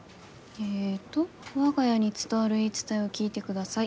えっと「我が家に伝わる言い伝えを聞いてください！